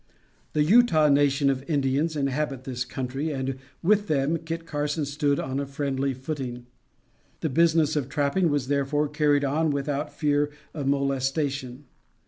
The Utah nation of Indians inhabit this country; and, with them, Kit Carson stood on a friendly footing. The business of trapping was therefore carried on without fear of molestation.